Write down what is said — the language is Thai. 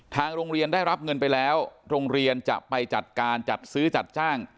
ทางโรงเรียนได้รับเงินไปแล้วโรงเรียนจะไปจัดการจัดซื้อจัดจ้าง